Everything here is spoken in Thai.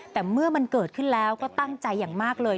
แต่เมื่อมันเกิดขึ้นแล้วก็ตั้งใจอย่างมากเลย